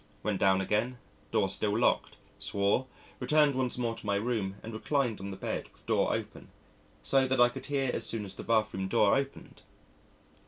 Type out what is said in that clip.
Went down again door still locked swore returned once more to my room and reclined on the bed, with door open, so that I could hear as soon as the bath room door opened....